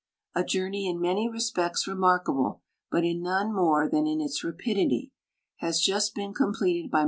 A journey in many resj>ects remarkable, but in none more than in its rapidity, has just been complete<l by M.